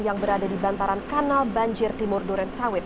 yang berada di bantaran kanal banjir timur durensawit